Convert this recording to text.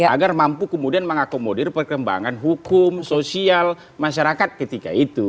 agar mampu kemudian mengakomodir perkembangan hukum sosial masyarakat ketika itu